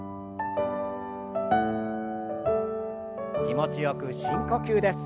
気持ちよく深呼吸です。